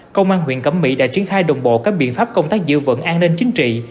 công an huyện cẩm mỹ đã triển khai đồng bộ các biện pháp công tác giữ vững an ninh chính trị